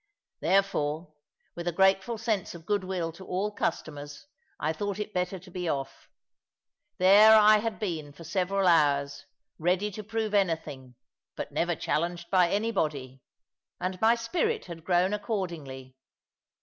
Therefore, with a grateful sense of goodwill to all customers, I thought it better to be off. There I had been, for several hours, ready to prove anything, but never challenged by anybody; and my spirit had grown accordingly.